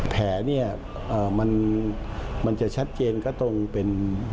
แผลเนี่ยมันจะชัดเจนก็ตรงเป็น